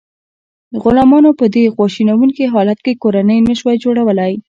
غلامانو په دې خواشینونکي حالت کې کورنۍ نشوای جوړولی.